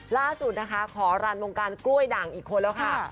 ล่าสุดนะคะขอรันวงการกล้วยด่างอีกคนแล้วค่ะ